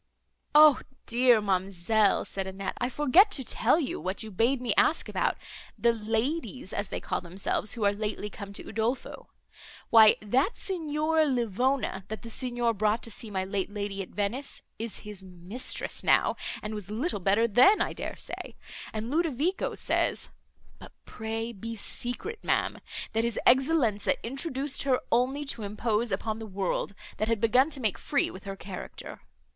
"O dear, ma'amselle!" said Annette, "I forget to tell you what you bade me ask about, the ladies, as they call themselves, who are lately come to Udolpho. Why that Signora Livona, that the Signor brought to see my late lady at Venice, is his mistress now, and was little better then, I dare say. And Ludovico says (but pray be secret, ma'am) that his Excellenza introduced her only to impose upon the world, that had begun to make free with her character.